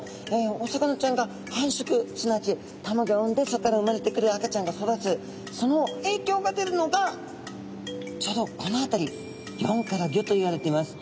お魚ちゃんが繁殖すなわち卵を産んでそこから産まれてくる赤ちゃんが育つそのえいきょうが出るのがちょうどこの辺り４から５といわれてます。